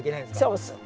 そうそう。